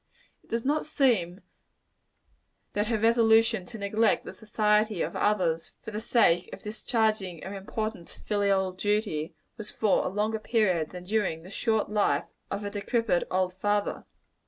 It does not seem that her resolution to neglect the society of others for the sake of discharging an important filial duty, was for a longer period, than during the short life of a very decrepid old father.